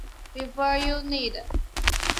肉叶鞘蕊花为唇形科鞘蕊花属下的一个种。